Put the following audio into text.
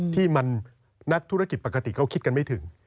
ที่มันนักธุรกิจปกติเขาคิดกันไม่ถึง